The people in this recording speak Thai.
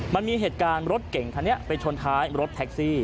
มันมีเหตุการณ์รถเก่งคันนี้ไปชนท้ายรถแท็กซี่